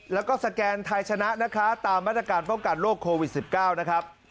แล้วก็สแกนไทยชนะนะคะตามมาตรการป้องกันโรคโควิด๑๙นะครับ